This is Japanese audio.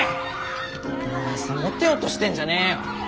お前さモテようとしてんじゃねーよ。